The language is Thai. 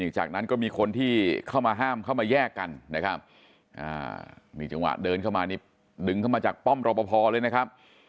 จากนั้นก็มีคนที่เข้ามาห้ามเข้ามาแยกกันนะครับนี่จังหวะเดินเข้ามานี่ดึงเข้ามาจากป้อมรอปภเลยนะครับ